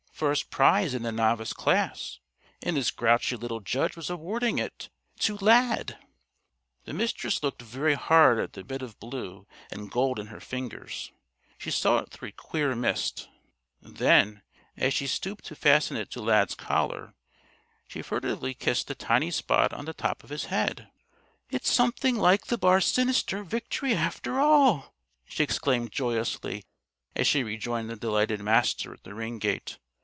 First prize in the Novice class! And this grouchy little judge was awarding it to Lad! The Mistress looked very hard at the bit of blue and gold in her fingers. She saw it through a queer mist. Then, as she stooped to fasten it to Lad's collar, she furtively kissed the tiny white spot on the top of his head. "It's something like the 'Bar Sinister' victory after all!" she exclaimed joyously as she rejoined the delighted Master at the ring gate.